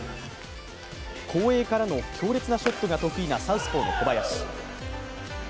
後衛からの強烈なショットが得意なサウスポーの小林。